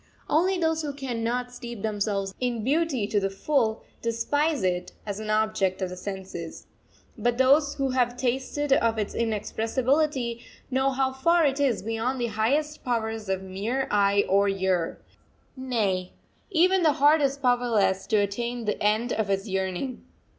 Only those who cannot steep themselves in beauty to the full, despise it as an object of the senses. But those who have tasted of its inexpressibility know how far it is beyond the highest powers of mere eye or ear nay, even the heart is powerless to attain the end of its yearning.